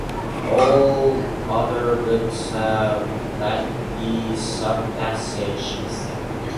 All other books have at least some passages missing.